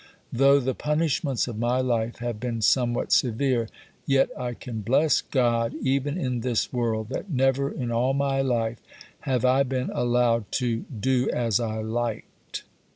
(Tho' the "punishments" of my life have been somewhat severe, yet I can bless God, even in this world, that never in all my life have I been allowed to "do as I liked.")